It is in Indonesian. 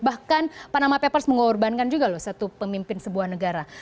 bahkan panama papers mengorbankan juga loh satu pemimpin sebuah negara